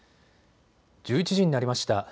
１１時になりました。